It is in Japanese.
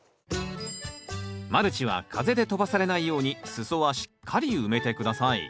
マルチは風で飛ばされないように裾はしっかり埋めて下さい。